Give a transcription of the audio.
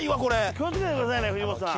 気を付けてくださいね藤本さん。